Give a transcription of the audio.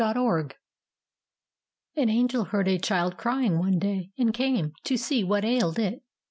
THE SHADOW An Angel heard a child crying one day, and came to see what ailed it.